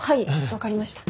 わかりました。